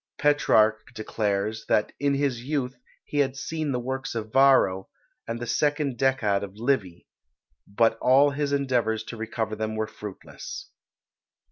Petrarch declares, that in his youth he had seen the works of Varro, and the second Decad of Livy; but all his endeavours to recover them were fruitless.